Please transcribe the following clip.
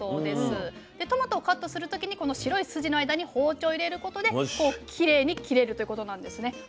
でトマトをカットする時にこの白い筋の間に包丁を入れることできれいに切れるということなんですね。